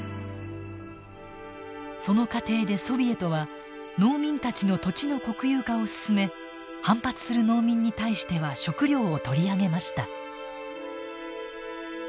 その過程でソビエトは農民たちの土地の国有化を進め反発する農民に対しては食料を取り上げました。